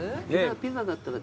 ピザだったら。